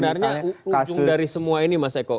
sebenarnya ujung dari semua ini mas eko